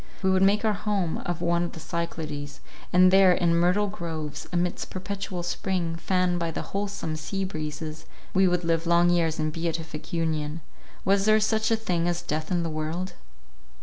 We would make our home of one of the Cyclades, and there in myrtle groves, amidst perpetual spring, fanned by the wholesome sea breezes—we would live long years in beatific union—Was there such a thing as death in the world?